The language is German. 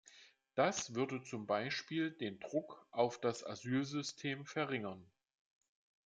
Das würde zum Beispiel den Druck auf das Asylsystem verringern.